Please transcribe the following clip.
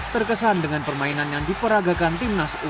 terkesan dengan permainan yang diperagakan timnas u enam belas